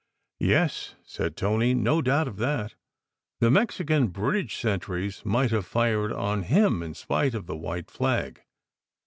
"Yes," said Tony, "no doubt of that. The Mexican bridge sentries might have fired on him in spite of the white flag.